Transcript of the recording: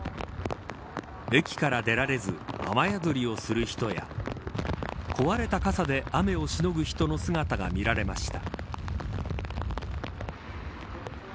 駅から出られず雨宿りをする人や壊れた傘で雨をしのぐ人の姿が見られました。